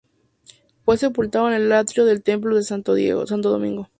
Fue sepultado en el atrio del Templo de Santo Domingo.